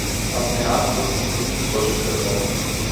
اپنے آپ کو سمجھنے کی کوشش کرتا ہوں